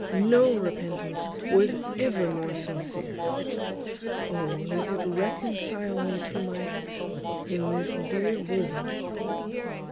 No repentance was ever more sincere. O! let it reconcile me to my heaven in this dear bosom."